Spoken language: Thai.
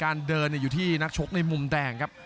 เดินอยู่ที่นักชกในมุมแดงครับ